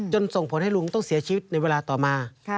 ส่งผลให้ลุงต้องเสียชีวิตในเวลาต่อมา